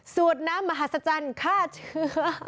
สวดน้ำมหัศจรรย์ฆ่าเชื้อ